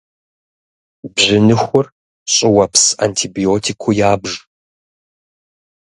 Бжьыныхур щӏыуэпс антибиотикыу ябж.